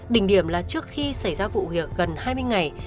đỉnh điểm là trước khi xảy ra vụ việc gần hai mươi ngày